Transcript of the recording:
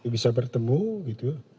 bisa bertemu gitu